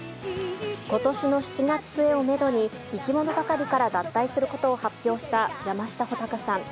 ことしの７月末をメドに、いきものがかりから脱退することを発表した山下穂尊さん。